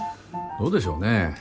どうでしょうね。